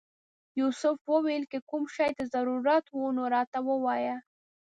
یوسف وویل که کوم شي ته ضرورت و نو راته ووایه.